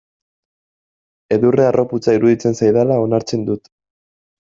Edurne harroputza iruditzen zaidala onartzen dut.